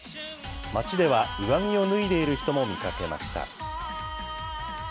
街では上着を脱いでいる人も見かけました。